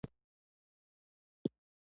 زموږ د سفر مشر طارق د رسټورانټ ستاینه وکړه.